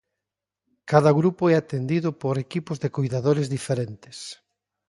Cada grupo é atendido por equipos de coidadores diferentes.